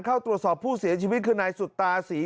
เข้าตรวจสอบผู้เสียชีวิตคือนายสุตาศรี